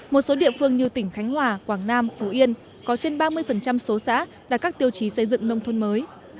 một số địa phương như tỉnh khánh hòa quảng nam phú yên có trên ba mươi số xã đạt các tiêu chí xây dựng nông thôn mới